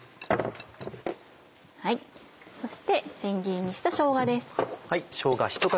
そしてせん切りにしたしょうがです。